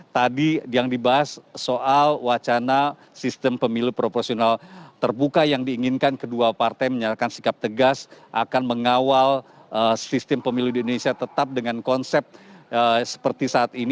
tadi yang dibahas soal wacana sistem pemilu proporsional terbuka yang diinginkan kedua partai menyalahkan sikap tegas akan mengawal sistem pemilu di indonesia tetap dengan konsep seperti saat ini